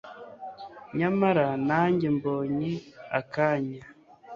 nyamara nanjye mbonye akanya